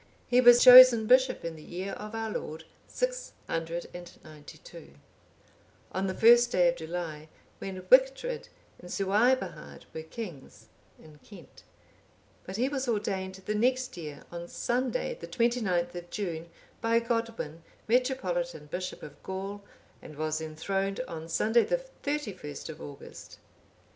He was chosen bishop in the year of our Lord 692,(809) on the first day of July, when Wictred and Suaebhard were kings in Kent;(810) but he was ordained the next year, on Sunday the 29th of June, by Godwin, metropolitan bishop of Gaul,(811) and was enthroned on Sunday the 31st of August.